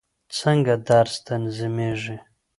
څنګه درس تنظیمېږي؟